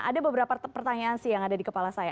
ada beberapa pertanyaan sih yang ada di kepala saya